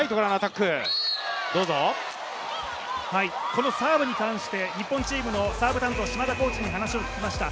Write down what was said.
このサーブに関して、日本チームのサーブ担当、島田コーチに話を聞きました。